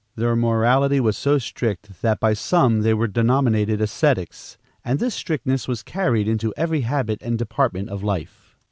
Their morality was so strict that by some they were denominated ascetics, and this strictness was carried into every habit and department of life.